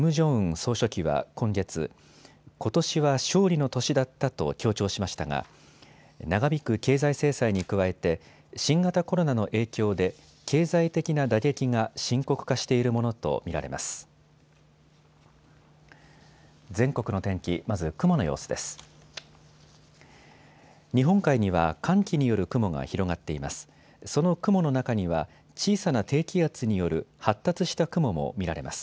総書記は今月、ことしは勝利の年だったと強調しましたが長引く経済制裁に加えて新型コロナの影響で経済的な打撃が深刻化しているものと見られます。